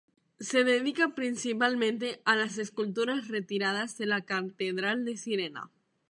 Se dedica principalmente a las esculturas retiradas de la catedral de Siena.